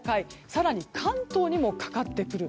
更に関東にもかかってくる。